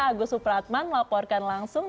agus supratman melaporkan langsung